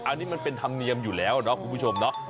อันนี้มันเป็นธรรมเนียมอยู่แล้วเนาะคุณผู้ชมเนาะ